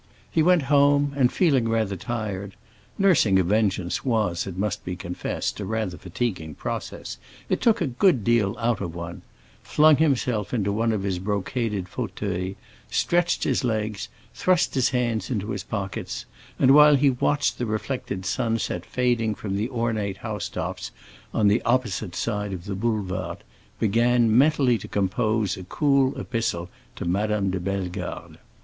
He went home, and feeling rather tired—nursing a vengeance was, it must be confessed, a rather fatiguing process; it took a good deal out of one—flung himself into one of his brocaded fauteuils, stretched his legs, thrust his hands into his pockets, and, while he watched the reflected sunset fading from the ornate house tops on the opposite side of the Boulevard, began mentally to compose a cool epistle to Madame de Bellegarde.